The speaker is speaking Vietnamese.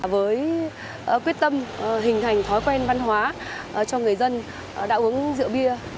với quyết tâm hình thành thói quen văn hóa cho người dân đạo uống rượu bia